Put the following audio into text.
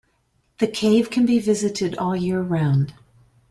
The cave can be visited all year round.